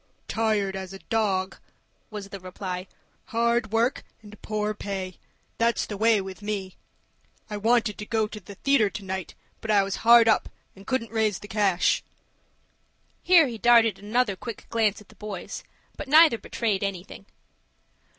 "Tired as a dog," was the reply. "Hard work and poor pay; that's the way with me. I wanted to go to the theater, to night, but I was hard up, and couldn't raise the cash." Here he darted another quick glance at the boys; but neither betrayed anything.